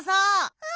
うん。